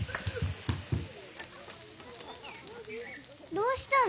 どうしたの？